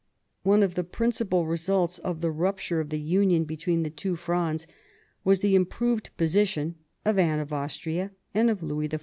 One of the principal results of the rupture of the' union between the two Frondes was the improved position of Anne of Austria and of Louis XIV.